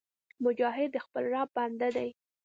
مجاهد د خپل رب بنده دی